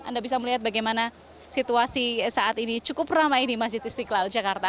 anda bisa melihat bagaimana situasi saat ini cukup ramai di masjid istiqlal jakarta